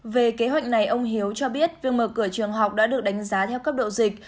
về kế hoạch này ông hiếu cho biết việc mở cửa trường học đã được đánh giá theo cấp độ dịch